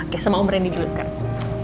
oke sama om rendy dulu sekarang